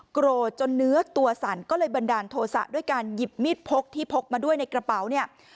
โกรธจนเนื้อตัวสั่นก็เลยบันดาลโทษะด้วยการหยิบมีดพกที่พกมาด้วยในกระเป๋าเนี่ย